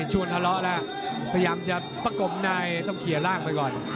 ชวนทะเลาะแล้วพยายามจะประกบในต้องเคลียร์ร่างไปก่อน